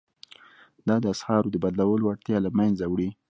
دا د اسعارو د بدلولو اړتیا له مینځه وړي.